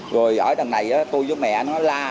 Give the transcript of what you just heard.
rồi ở đằng này tôi với mẹ nó la